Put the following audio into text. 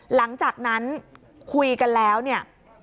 หลังจากนั้นคุยกันแล้วเนี่ย